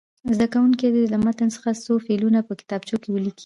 زده کوونکي دې له متن څخه څو فعلونه په کتابچو کې ولیکي.